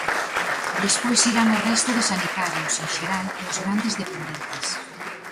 Despois irán o resto de sanitarios, en xeral, e os grandes dependentes.